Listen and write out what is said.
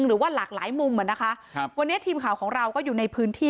หรือว่าหลากหลายมุมอ่ะนะคะครับวันนี้ทีมข่าวของเราก็อยู่ในพื้นที่